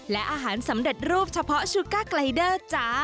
และสำเด็ดรูปเฉพาะสุก้ากาไกเดอร์